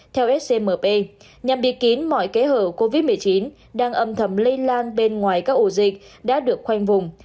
theo scmp nhằm bịt kín mọi kẽ hở covid một mươi chín đang âm thầm lây lan bên ngoài các ổ dịch đã được khoanh vùng